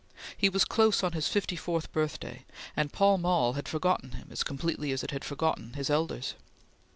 He was close on his fifty fourth birthday, and Pall Mall had forgotten him as completely as it had forgotten his elders.